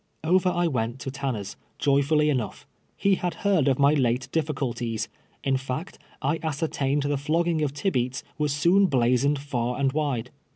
Over I went to Tanner's, joyfully enough. He had heard of my late difhculties — in fact, I ascertained the flogging of Tibeats was soon blazoned far and wide.